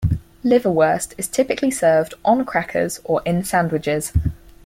Liverwurst is typically served on crackers or in sandwiches.